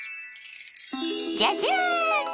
じゃじゃん！